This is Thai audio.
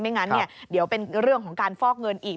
งั้นเดี๋ยวเป็นเรื่องของการฟอกเงินอีก